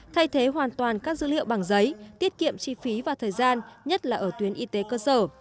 thay thế hoàn toàn các dữ liệu bằng giấy tiết kiệm chi phí và thời gian nhất là ở tuyến y tế cơ sở